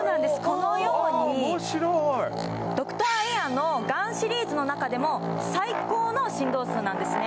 このようにドクターエアのガンシリーズの中でも最高の振動数なんですね